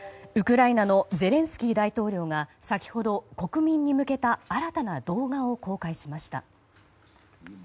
ウクライナのゼレンスキー大統領が先程、国民に向けた新たな動画を公開しました。